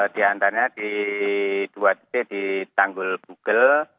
di antaranya di dua titik di tanggul bugel